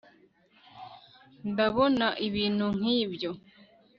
ndabona ibintu nkibyo